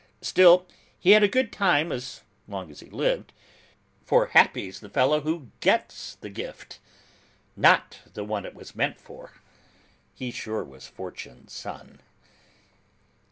Still, he had a good time as long as he lived: for happy's the fellow who gets the gift, not the one it was meant for. He sure was Fortune's son!